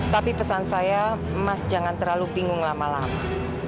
tapi pesan saya emas jangan terlalu bingung lama lama